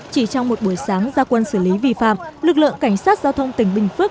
chỉ trong một buổi sáng gia quân xử lý vi phạm lực lượng cảnh sát giao thông tỉnh bình phước